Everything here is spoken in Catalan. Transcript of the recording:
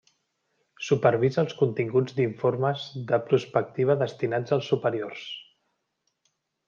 Supervisa els continguts d'informes de prospectiva destinats als superiors.